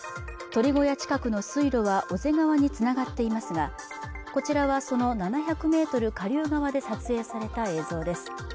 鶏小屋近くの水路は小瀬川につながっていますがこちらはその７００ｍ下流側で撮影された映像です